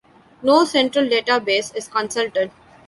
No central database is consulted.